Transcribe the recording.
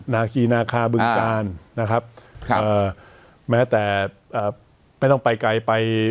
นาคีนาคาบึงกาลนะครับครับเอ่อแม้แต่ไม่ต้องไปไกลไป